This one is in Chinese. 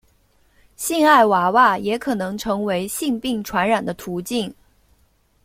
性爱娃娃也可能成为性病传染的途径。